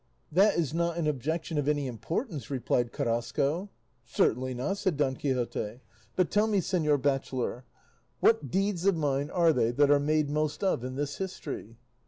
"That is not an objection of any importance," replied Carrasco. "Certainly not," said Don Quixote; "but tell me, señor bachelor, what deeds of mine are they that are made most of in this history?"